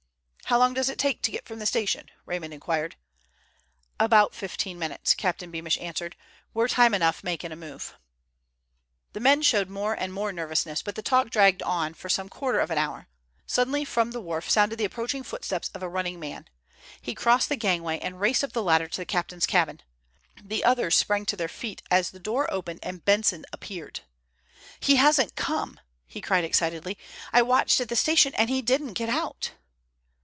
"How long does it take to get from the station?" Raymond inquired. "About fifteen minutes," Captain Beamish answered. "We're time enough making a move." The men showed more and more nervousness, but the talk dragged on for some quarter of an hour. Suddenly from the wharf sounded the approaching footsteps of a running man. He crossed the gangway and raced up the ladder to the captain's cabin. The others sprang to their feet as the door opened and Benson appeared. "He hasn't come!" he cried excitedly. "I watched at the station and he didn't get out!"